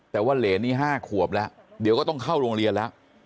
แต่ว่าเหรนนี้๕ขวบแล้วเดี๋ยวก็ต้องเข้าโรงเรียนแล้ว